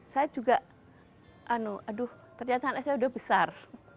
saya juga aduh aduh ternyata anak saya sudah besar